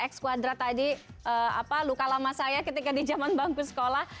x quadrat tadi luka lama saya ketika di jaman bangku sekolah